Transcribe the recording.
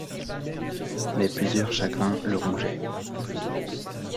Mais plusieurs chagrins le rongeaient.